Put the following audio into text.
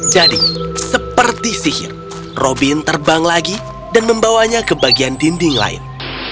jadi seperti sihir robin terbang lagi dan membawanya ke bagian dinding lain